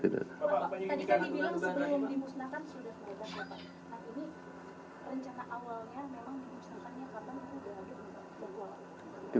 bapak ibu tadi kita